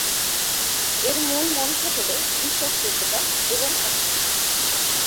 এর মূলমন্ত্র হ'ল "বিশ্বাসযোগ্যতা এবং পার্থক্য"।